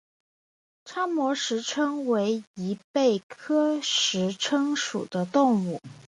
叉膜石蛏为贻贝科石蛏属的动物。